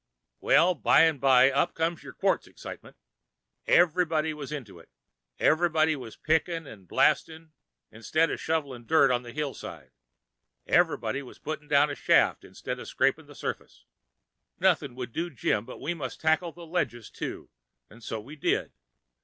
"Well, by an' by, up comes this yer quartz excitement. Everybody was into it—everybody was pick'n' 'n' blast'n' instead of shovelin' dirt on the hillside—everybody was putt'n' down a shaft instead of scrapin' the surface. Noth'n' would do Jim, but we must tackle the ledges, too, 'n' so we did.